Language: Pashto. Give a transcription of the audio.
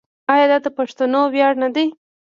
آیا دا د پښتنو ویاړ نه دی؟